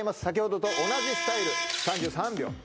先ほどと同じスタイル３３秒。